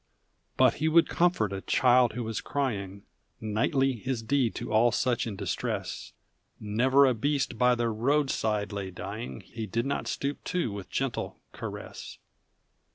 But he would comfort a child who was crying, Knightly his deed to all such in distress; Never a beast by the road side lay dying He did not stoop to with gentle caress.